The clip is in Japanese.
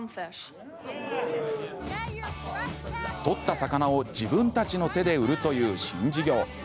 取った魚を自分たちの手で売るという新事業。